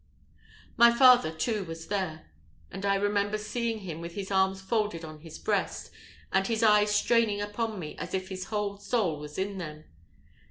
My father, too, was there; and I remember seeing him with his arms folded on his breast, and his eyes straining upon me as if his whole soul was in them.